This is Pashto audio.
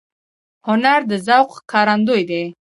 هنر د ذوق ښکارندوی دی